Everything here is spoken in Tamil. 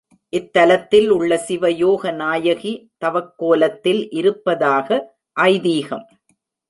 இத்தலத்தில் உள்ள சிவயோக நாயகி, தவக்கோலத்தில் இருப்பதாக ஐதீகம்.